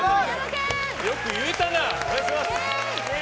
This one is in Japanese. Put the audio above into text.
よく言えたな。